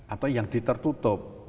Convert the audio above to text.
atau yang ditutup